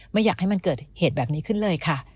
ไม่อยากให้มันเกิดเหตุแบบนี้ขึ้นเลยค่ะ